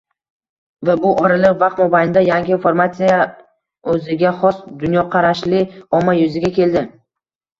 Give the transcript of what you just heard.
va bu oraliq vaqt mobaynida yangi formatsiya – o‘ziga xos dunyoqarashli omma yuzaga keldi.